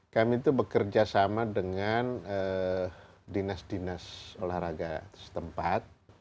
kami itu bekerja sama dengan dinas dinas olahraga setempat